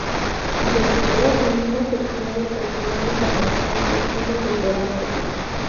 Debutó en una sección del Festival Internacional de Cine de Toronto.